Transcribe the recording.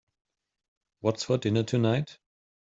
What's for dinner tonight?